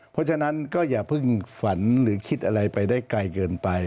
เพราะฉะนั้นก็อย่าเพิ่งฝันหรือคิดอะไรไปได้ไกลเกินไป